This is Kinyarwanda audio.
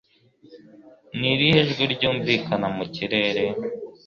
Ni irihe jwi ryumvikana mu kirere